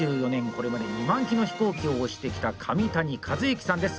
これまで２万機の飛行機を押してきた上谷和之さんです。